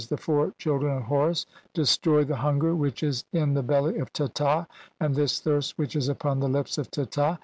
the four children of Horus) destroy 'the hunger which is in the belly of Teta, and this 'thirst which is upon the lips of Teta.